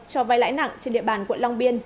cho vay lãi nặng trên địa bàn quận long biên